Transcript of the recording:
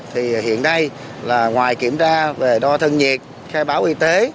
thì hiện nay là ngoài kiểm tra về đo thân nhiệt khai báo y tế